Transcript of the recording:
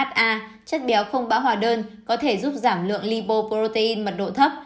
chất béo không bão hòa đơn có thể giúp giảm lượng lipoprotein mật độ thấp